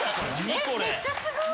えめっちゃすごい！